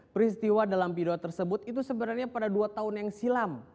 peristiwa dalam pidato tersebut itu sebenarnya pada dua tahun yang silam